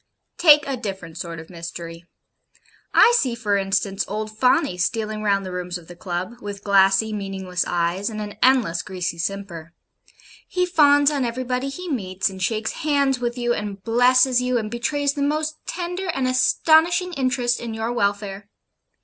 Take a different sort of mystery. I see, for instance, old Fawney stealing round the rooms of the Club, with glassy, meaningless eyes, and an endless greasy simper he fawns on everybody he meets, and shakes hands with you, and blesses you, and betrays the most tender and astonishing interest in your welfare.